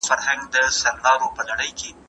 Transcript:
د پوهاند نظریات د خلاقیت او نوښت په رڼا کې مهم دي.